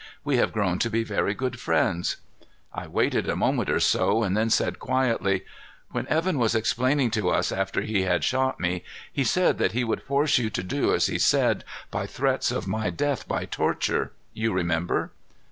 We have grown to be very good friends." I waited a moment or so and then said quietly: "When Evan was explaining to us after he had shot me, he said that he would force you to do as he said by threats of my death by torture. You remember?"